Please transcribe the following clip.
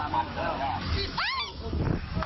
อ้าว